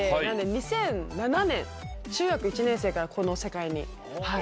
２００７年中学１年生からこの世界に入ってます。